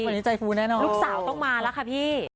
คิดดูก่อนมันมาหลายแสน